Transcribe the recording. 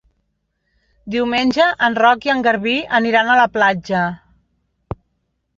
Diumenge en Roc i en Garbí aniran a la platja.